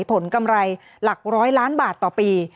ผลกำไรหลัก๑๐๐ล้านบาทต่อปี